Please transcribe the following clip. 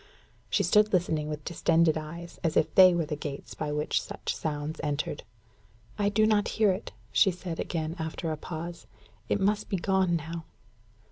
She stood listening with distended eyes, as if they were the gates by which such sounds entered. "I do not hear it," she said again, after a pause. "It must be gone now."